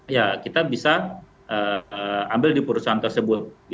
ya kita bisa ambil di perusahaan tersebut